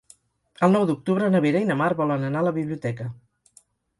El nou d'octubre na Vera i na Mar volen anar a la biblioteca.